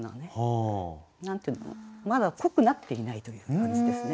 まだ濃くなっていないという感じですね。